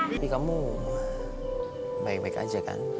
tapi kamu baik baik aja kan